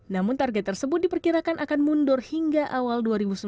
namun target tersebut diperkirakan akan mundur hingga awal dua ribu sembilan belas